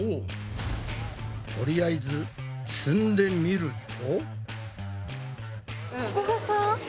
とりあえず積んでみると。